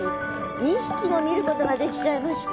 ２匹も見ることができちゃいました。